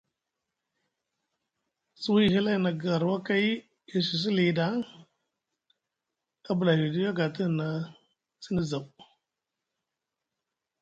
Suwi halay na garwakay e susi lii ɗa abulohoy ɗi aga te hina sini zaw.